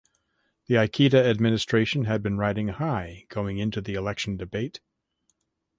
The Ikeda administration had been riding high going into the election debate.